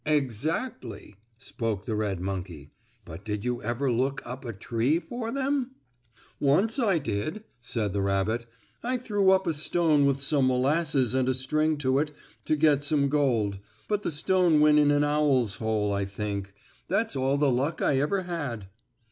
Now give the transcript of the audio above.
"Exactly," spoke the red monkey. "But did you ever look up a tree for them?" "Once I did," said the rabbit. "I threw up a stone with some molasses and a string to it to get some gold. But the stone went in an owl's hole, I think. That's all the luck I ever had."